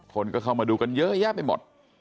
คนก็เข้ามาดูกันเยอะแยะไปหมด